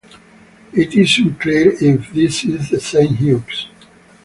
It is unclear if this is the same Hughes.